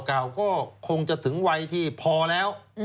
เก่าก็คงจะถึงวัยที่พอแล้ว